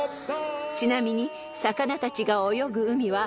［ちなみに魚たちが泳ぐ海は］